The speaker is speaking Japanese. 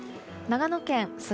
長野県菅